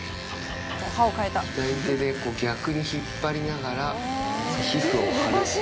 左手で逆に引っ張りながら、皮膚を張る。